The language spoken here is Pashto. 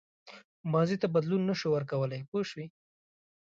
ماضي ته بدلون نه شو ورکولای پوه شوې!.